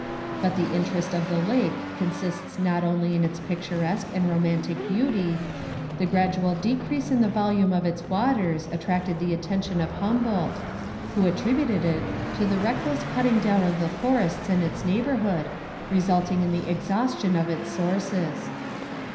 But the interest of the lake consists not only in its picturesque and romantic beauty; the gradual decrease in the volume of its waters attracted the attention of Humboldt, who attributed it to the reckless cutting down of the forests in its neighbourhood, resulting in the exhaustion of its sources.